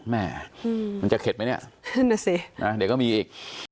แหมมันจะเข็ดไหมเนี่ยน่าสิอ่าเดี๋ยวก็มีอีก